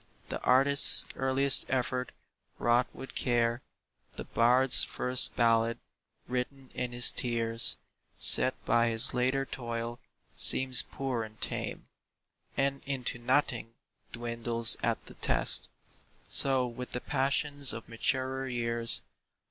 The artist's earliest effort, wrought with care, The bard's first ballad, written in his tears, Set by his later toil, seems poor and tame, And into nothing dwindles at the test. So with the passions of maturer years.